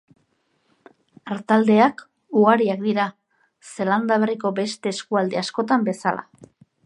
Artaldeak ugariak dira, Zelanda Berriko beste eskualde askotan bezala.